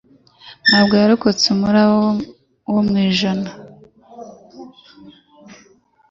nubwo yarokotseumuraba wo mu inyanja